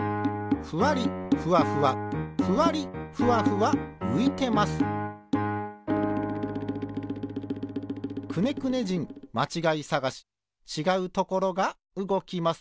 ふわりふわふわふわりふわふわういてます「くねくね人まちがいさがし」ちがうところがうごきます。